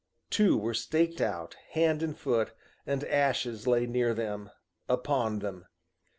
Two were staked out, hand and foot, and ashes lay near them, upon them.